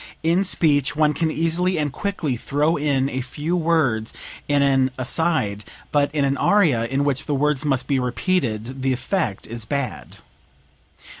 In speech one can easily and quickly throw in a few words in an aside; but in an aria, in which the words must be repeated, the effect is bad."